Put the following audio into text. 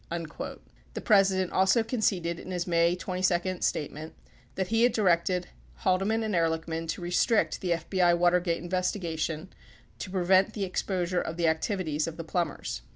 51 The President also conceded in his May 22 statement that he had directed Haldeman and Ehrlichman to restrict the FBI Watergate investigation to prevent the exposure of the activities of the Plumbers.